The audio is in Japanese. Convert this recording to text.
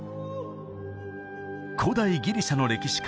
古代ギリシャの歴史家